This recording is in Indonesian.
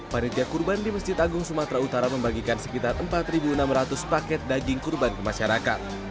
panitia kurban di masjid agung sumatera utara membagikan sekitar empat enam ratus paket daging kurban ke masyarakat